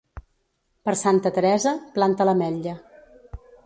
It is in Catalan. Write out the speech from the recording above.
Per Santa Teresa planta l'ametlla.